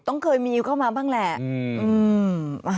ต้องเคยมีเข้ามาบ้างแหละ